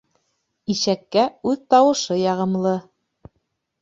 Ишәккә үҙ тауышы яғымлы.